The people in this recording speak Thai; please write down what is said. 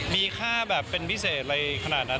มีค่าแบบเป็นพิเศษอะไรขนาดนั้น